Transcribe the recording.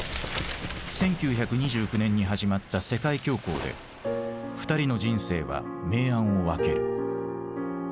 １９２９年に始まった世界恐慌で２人の人生は明暗を分ける。